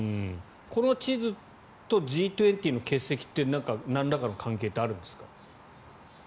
この地図とＧ２０の欠席ってなんらかの関係ってあるんですか。